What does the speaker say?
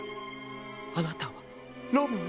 あなたはロミオ？